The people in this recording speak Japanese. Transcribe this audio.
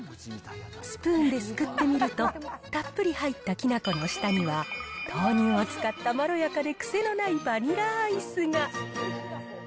スプーンですくってみると、たっぷり入ったきなこの下には、豆乳を使ったまろやかで癖のないバニラアイスが。